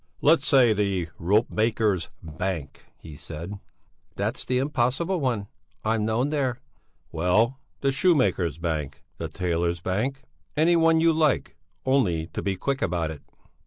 "Let's say the Ropemakers' Bank," he said. "That's the one impossible one I'm known there." "Well, the Shoemakers' Bank, the Tailors' Bank, any one you like, only do be quick about it."